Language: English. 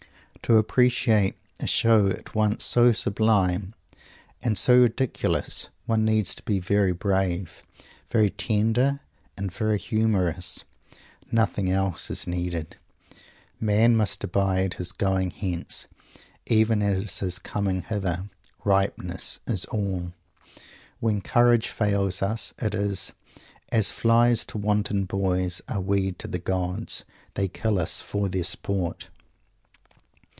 To appreciate a Show at once so sublime and so ridiculous, one needs to be very brave, very tender, and very humorous. Nothing else is needed. "Man must abide his going hence, even as his coming hither. Ripeness is all." When Courage fails us, it is "as flies to wanton boys are we to the gods. They kill us for their sport."